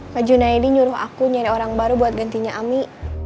pak junaidi nyuruh aku nyari orang baru buat gantinya ami